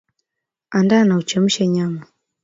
Andaa na uchemshe nyama